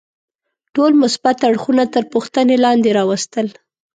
ټول مثبت اړخونه تر پوښتنې لاندې راوستل.